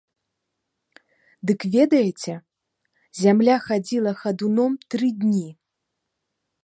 Дык ведаеце, зямля хадзіла хадуном тры дні.